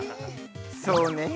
◆そうね。